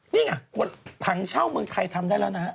นี่ไงผังเช่าเมืองไทยทำได้แล้วนะ